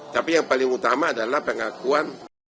tapi yang paling utama adalah pengakuan